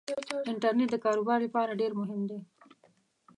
انټرنيټ دکار وبار لپاره ډیرمهم دی